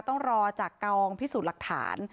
ต้องรอจากกองพิสูจน์หลักฐาน